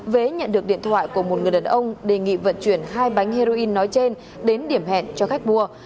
vé nhận được điện thoại của một người đàn ông đề nghị vận chuyển hai bánh heroin nói trên đến điểm hẹn cho khách mua